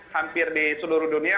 hampir di seluruh dunia